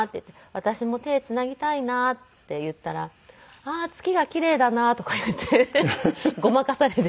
「私も手をつなぎたいな」って言ったら「ああー月が奇麗だな」とか言ってごまかされて。